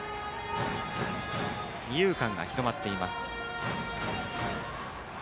二遊間が広まっています。